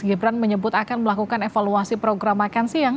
gibran menyebut akan melakukan evaluasi program makan siang